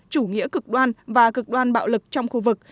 chủ nghĩa cực đoan và cực đoan bạo lực trong khu vực